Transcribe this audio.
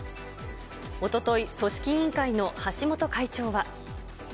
おととい、組織委員会の橋本会長は。